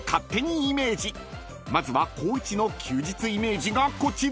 ［まずは光一の休日イメージがこちら］